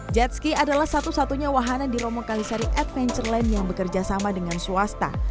jetski adalah satu satunya wahana di romo kalisari adventureland yang bekerja sama dengan swasta